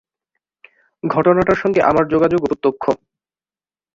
ঘটনাটার সঙ্গে আমার যোগাযোগও প্রত্যক্ষ।